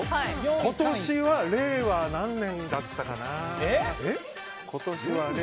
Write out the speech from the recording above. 今年は令和何年だったかな。